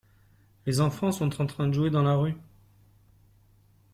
Les enfant sont en train de jouer dans la rue.